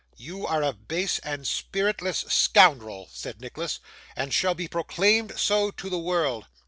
'You are a base and spiritless scoundrel!' said Nicholas, 'and shall be proclaimed so to the world.